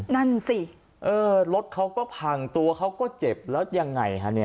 นั่นสิเออรถเขาก็พังตัวเขาก็เจ็บแล้วยังไงฮะเนี่ย